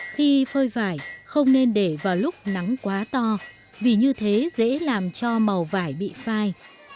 khi phơi vải không nên để vào lúc nắng quá to vì như thế dễ làm cho màu vải bị phai